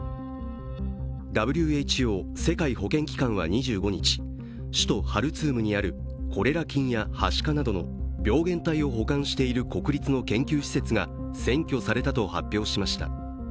ＷＨＯ＝世界保健機関は２５日首都ハルツームにあるコレラ菌やはしかなどの病原体を保管している国立の研究施設が占拠されたと発表しました。